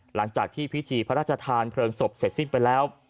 หลังจากที่พิธีพระราชทานเพลิงศพเสร็จสิ้นไปแล้ว